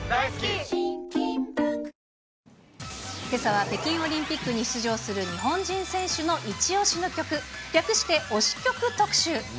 けさは北京オリンピックに出場する日本人選手の一推しの曲、略して推し曲特集。